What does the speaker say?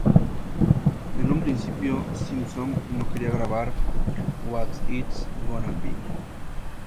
En un principio, Simpson no quería grabar "What's It Gonna Be".